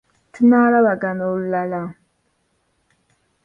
Tunaalabagana olulala.